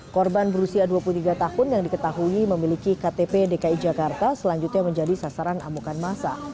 korban berusia dua puluh tiga tahun yang diketahui memiliki ktp dki jakarta selanjutnya menjadi sasaran amukan masa